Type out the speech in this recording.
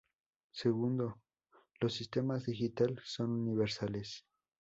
Segundo, los sistemas digital son universales.